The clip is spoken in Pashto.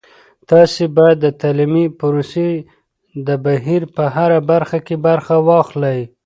تاسې باید د تعلیمي پروسې د بهیر په هره برخه کې برخه واخلئ.